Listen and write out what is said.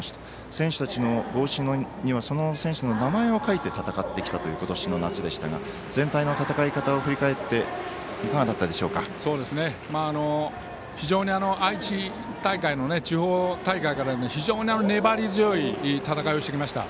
選手たちの帽子にはその選手の名前を書いて臨んできた大会でしたが全体の戦い方を振り返って非常に愛知大会の地方大会から非常に粘り強い戦いをしてきました。